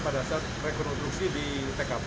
pada saat rekonstruksi di tkp